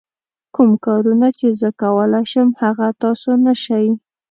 کوم کارونه چې زه کولای شم هغه تاسو نه شئ.